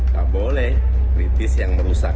tak boleh kritis yang merusak